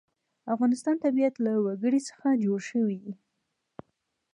د افغانستان طبیعت له وګړي څخه جوړ شوی دی.